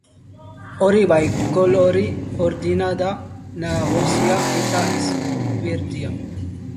Hori bai, kolore urdina da nagusia eta ez berdea.